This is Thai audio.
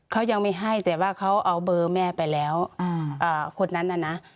เขายังไม่ให้แต่ว่าเขาเอาเบอร์แม่ไปแล้วคนนั้นน่ะนะ